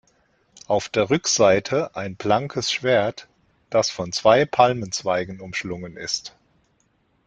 Auf der Rückseite ein blankes Schwert, das von zwei Palmenzweigen umschlungen ist.